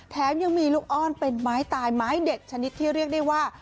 แถมยังมีลูกอ้อนเป็นไม้ตายไม้เด็ดชนิดที่เรียกได้ว่า